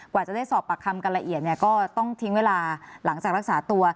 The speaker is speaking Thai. กว่าจะได้สอบปากคำกันละเอียดเนี่ยก็ต้องทิ้งเวลาหลังจากรักษาตัว